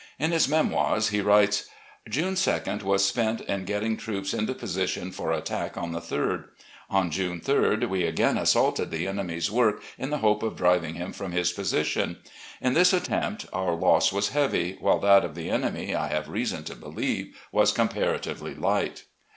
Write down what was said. In his " Memoirs " he writes :" Jtme 2d was spent in getting troops into position for attack on the 3d. On Jtme 3d, we again assaulted the enemy's work in the hope of driving him from his position. In this attempt our loss was heavy, while that of the enemy, I have reason to believe, was comparatively light."